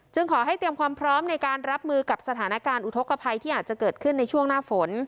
ขอให้เตรียมความพร้อมในการรับมือกับสถานการณ์อุทธกภัยที่อาจจะเกิดขึ้นในช่วงหน้าฝน